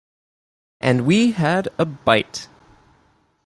And we had a bite.